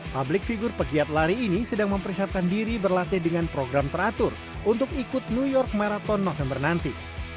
public figur pegiat lari ini sedang mempersiapkan diri berlatih dengan program teratur untuk ikut new york marathon november nanti